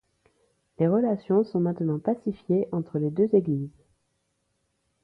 Les relations sont maintenant pacifiées entre les deux églises.